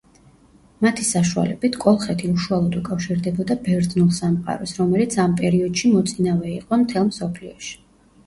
მათი საშუალებით კოლხეთი უშუალოდ უკავშირდებოდა ბერძნულ სამყაროს, რომელიც ამ პერიოდში მოწინავე იყო მთელ მსოფლიოში.